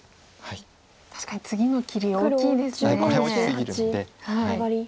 確かに次の切り大きいですね。